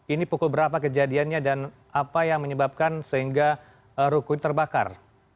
ini pukul berapa kejadiannya dan apa yang menyebabkan sehingga ruko ini terbakar